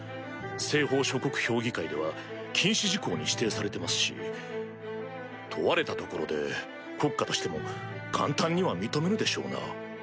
西方諸国評議会では禁止事項に指定されてますし問われたところで国家としても簡単には認めぬでしょうな。